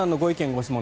・ご質問